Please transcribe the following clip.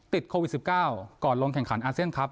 ติดโควิด๑๙ก่อนลงแข่งขันอาเซียนครับ